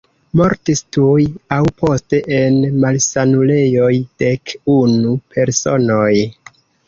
Mortis tuj aŭ poste en malsanulejoj dek-unu personoj.